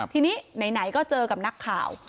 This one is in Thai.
ทีนี้ไหนก็เจอกับนักข่าว